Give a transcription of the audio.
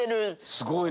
すごいね。